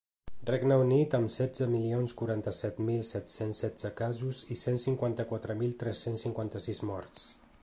Regne Unit, amb setze milions quaranta-set mil set-cents setze casos i cent cinquanta-quatre mil tres-cents cinquanta-sis morts.